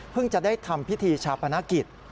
จะได้ทำพิธีชาปนกิจ